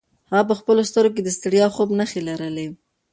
هغه په خپلو سترګو کې د ستړیا او خوب نښې لرلې.